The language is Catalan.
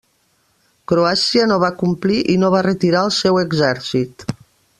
Croàcia no va complir i no va retirar el seu exèrcit.